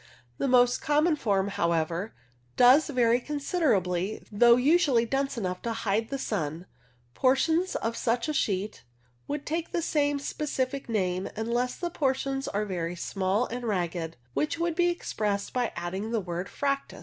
The most common form, however, does vary con siderably, though usually dense enough to hide the 1 62 CLOUD NOMENCLATURE sun. Portions of such a sheet would take the same specific name, unless the portions are very small and ragged, which would be expressed by adding the word fractus.